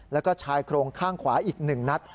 แล้วก็ชายโครงข้างขวาอีก๑นัด